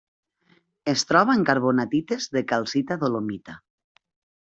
Es troba en carbonatites de calcita–dolomita.